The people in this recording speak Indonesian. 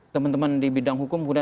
teman teman di bidang hukum